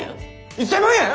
１，０００万円！？